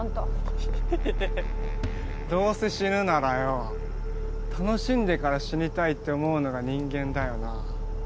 ヒヒヒヒヒどうせ死ぬならよう楽しんでから死にたいって思うのが人間だよなぁ？